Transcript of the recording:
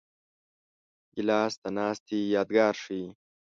ګیلاس د ناستې یادګار شي.